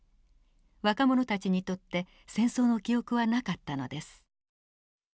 若者たちにとって戦争の記憶はなかったのです。